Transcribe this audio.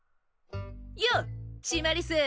よっシマリス。